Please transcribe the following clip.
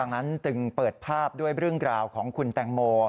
ดังนั้นจึงเปิดภาพด้วยเรื่องราวของคุณแตงโม